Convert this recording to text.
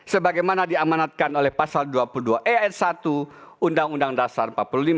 sebagaimana diamanatkan oleh pasal dua puluh dua e satu undang undang dasar empat puluh lima